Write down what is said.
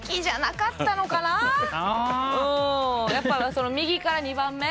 やっぱその右から２番目？